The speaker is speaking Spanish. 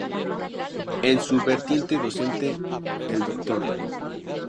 En su vertiente docente, el Dr.